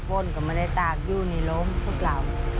บนกับมารัยตากยูนิโลมพวกเรา